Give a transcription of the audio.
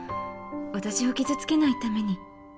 私を傷つけないために。